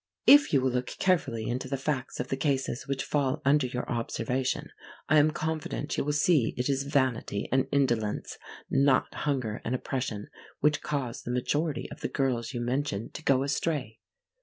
If you will look carefully into the facts of the cases which fall under your observation, I am confident you will see that it is vanity and indolence, not hunger and oppression, which cause the majority of the girls you mention to go astray.